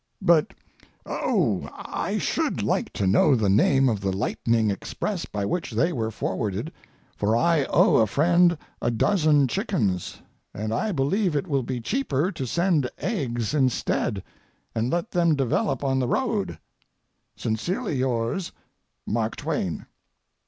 But, oh, I should like to know the name of the Lightning Express by which they were forwarded; for I owe a friend a dozen chickens, and I believe it will be cheaper to send eggs instead, and let them develop on the road. Sincerely yours, Mark TWAIN.